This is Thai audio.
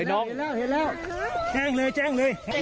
จนหรือแค่นี้ไหม